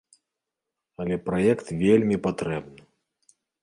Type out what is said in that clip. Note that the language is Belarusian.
Але праект вельмі патрэбны!